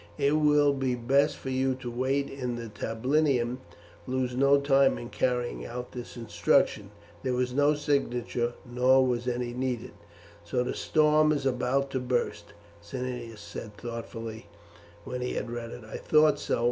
It will be best for you to wait in the tablinum; lose no time in carrying out this instruction." There was no signature, nor was any needed. "So the storm is about to burst," Cneius said thoughtfully when he had read it. "I thought so.